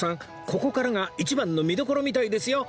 ここからが一番の見どころみたいですよ